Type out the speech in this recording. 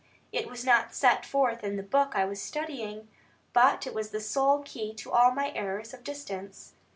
It was not set forth in the book I was studying; but it was the sole key to all my errors of distance.